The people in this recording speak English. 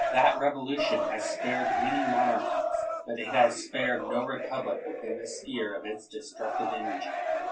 That Revolution has spared many monarchies, but it has spared no republic within the sphere of its destructive energy.